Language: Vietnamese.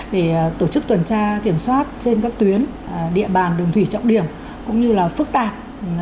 để tổ chức tuần tra kiểm soát trên các tuyến địa bàn đường thủy trọng điểm cũng như là phức tạp